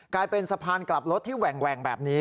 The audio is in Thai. กลายเป็นสะพานกลับรถที่แหว่งแบบนี้